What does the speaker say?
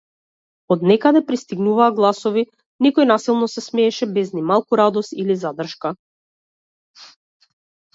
Од некаде пристигнуваа гласови, некој насилно се смееше, без ни малку радост или задршка.